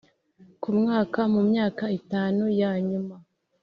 ku mwaka mu myaka itanu ya nyuma